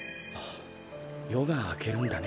よがあけるんだね。